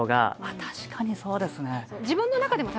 確かにそうですね。